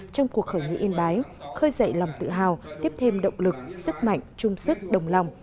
trong cuộc khởi nghĩa yên bái khơi dậy lòng tự hào tiếp thêm động lực sức mạnh chung sức đồng lòng